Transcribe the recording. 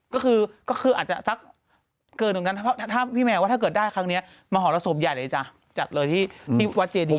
ก็คือก็คืออาจจะสักเกินเหมือนกันถ้าพี่แมวว่าถ้าเกิดได้ครั้งนี้มหรสบใหญ่เลยจ้ะจัดเลยที่วัดเจดี